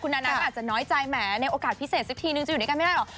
นานาก็อาจจะน้อยใจแหมในโอกาสพิเศษสักทีนึงจะอยู่ด้วยกันไม่ได้หรอ